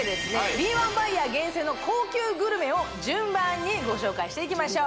敏腕バイヤー厳選の高級グルメを順番にご紹介していきましょう